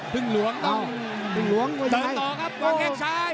พึ่งหลวงต้องเติบต่อครับครั้งข้างใช้